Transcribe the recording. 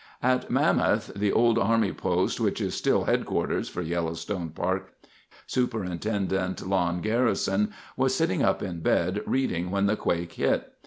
At Mammoth, the old army post which is still headquarters for Yellowstone Park, Superintendent Lon Garrison was sitting up in bed reading when the quake hit.